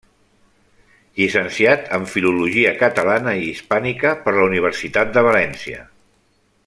Llicenciat en Filologia Catalana i Hispànica per la Universitat de València.